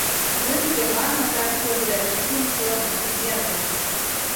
Рынке манмыжак кӱрлеш шӱм-чоным, нервым.